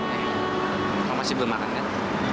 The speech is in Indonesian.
eh kamu masih belum makan kan